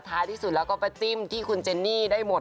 ท้ายที่สุดแล้วก็ไปจิ้มที่คุณเจนนี่ได้หมด